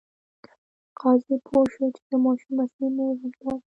قاضي پوه شو چې د ماشوم اصلي مور همدا ده.